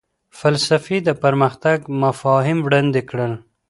فلسفې د پرمختګ مفاهیم وړاندې کړل.